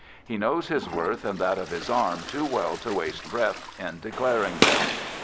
He knows his worth and that of his arm too well to waste breath in declaring them.